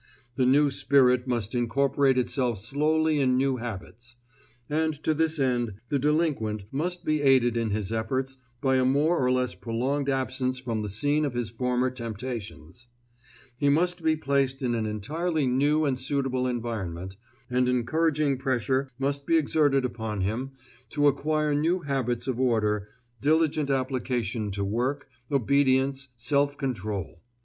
The new spirit must incorporate itself slowly in new habits; and to this end the delinquent must be aided in his efforts by a more or less prolonged absence from the scene of his former temptations. He must be placed in an entirely new and suitable environment, and encouraging pressure must be exerted upon him to acquire new habits of order, diligent application to work, obedience, self control.